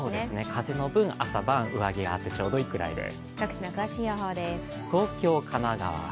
風の分、朝晩、上着があってちょうどいいくらいです。